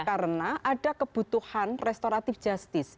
karena ada kebutuhan restoratif justice